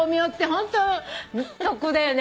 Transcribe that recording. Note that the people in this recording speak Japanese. ホント得だよねあれね。